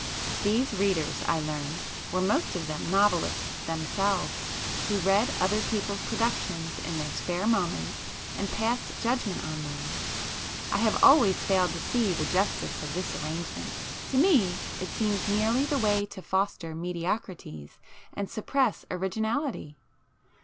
These 'readers' I learned, were most of them novelists themselves, who read other people's productions in their spare moments and passed judgment on them. I have always failed to see the justice of this arrangement; to me it seems merely the way to foster mediocrities and suppress originality.